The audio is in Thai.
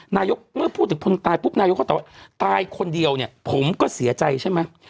นายกเมื่อพูดถึงคนตายปุ๊บนายกก็ตอบว่าตายคนเดียวเนี่ยผมก็เสียใจใช่ไหม